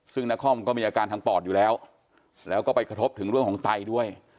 ซึ่งนครก็มีอาการทางปอดอยู่แล้วแล้วก็ไปกระทบถึงเรื่องของไตด้วย